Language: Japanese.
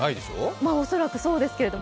まあ、恐らくそうですけれども。